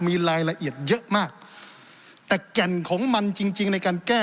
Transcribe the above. มีรายละเอียดเยอะมากแต่แก่นของมันจริงจริงในการแก้